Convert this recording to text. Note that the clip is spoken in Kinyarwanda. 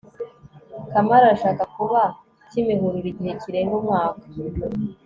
kamari arashaka kuba kimihurura igihe kirenga umwaka